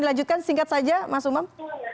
dilanjutkan singkat saja mas umam